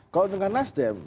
kalau dengan nasdem